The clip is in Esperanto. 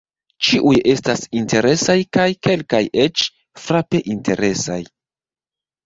Ĉiuj estas interesaj kaj kelkaj eĉ frape interesaj.